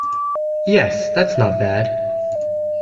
Yes, that's not bad.